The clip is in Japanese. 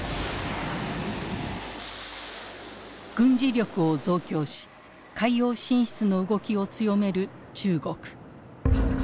軍事力を増強し海洋進出の動きを強める中国。